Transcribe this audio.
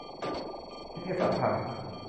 นิเทศสัมพันธ์